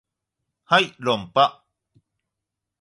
はい論破